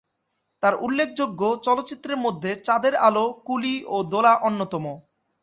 তার উল্লেখযোগ্য চলচ্চিত্রের মধ্যে "চাঁদের আলো", "কুলি" ও "দোলা" অন্যতম।